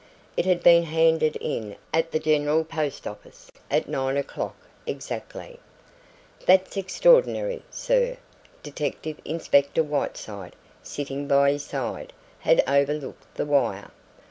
It had been handed in at the General Post Office at nine o'clock exactly. "That's extraordinary, sir," Detective Inspector Whiteside, sitting by his side, had overlooked the wire.